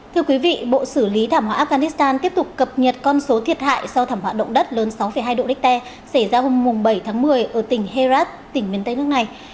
thưa quý vị bộ xử lý thảm họa afghanistan tiếp tục cập nhật con số thiệt hại sau thảm họa động đất lớn sáu hai độ richter xảy ra hôm bảy tháng một mươi ở tỉnh herat tỉnh miền tây nước này